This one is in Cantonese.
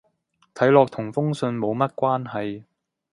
睇落同封信冇乜關係